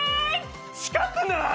近くない？